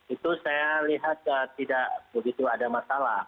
itu saya lihat tidak begitu ada masalah